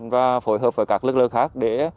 và phối hợp với các lực lượng khác